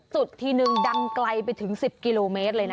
จุดทีนึงดังไกลไปถึง๑๐กิโลเมตรเลยนะ